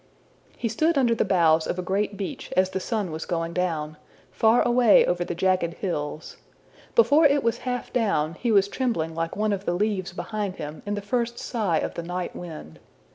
'' He stood under the boughs of a great beech as the sun was going down, far away over the jagged hills: before it was half down, he was trembling like one of the leaves behind him in the first sigh of the night wind.